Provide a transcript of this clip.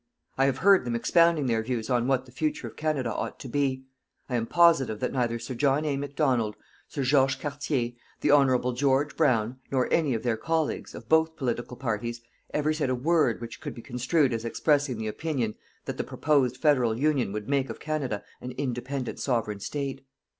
I have heard them expounding their views on what the future of Canada ought to be. I am positive that neither Sir John A. Macdonald, Sir Georges Cartier, the honorable Georges Brown, nor any of their colleagues, of both political parties, ever said a word which could be construed as expressing the opinion that the proposed Federal Union would make of Canada an independent Sovereign State.